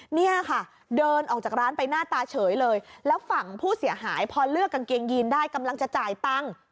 เนี่ยค่ะเดินออกจากร้านไปหน้าตาเฉยเลยแล้วฝั่งผู้เสียหายพอเลือกกางเกงยีนได้กำลังจะจ่ายตังค์